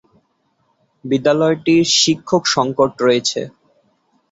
বিদ্যালয়টির শিক্ষক সংকট রয়েছে।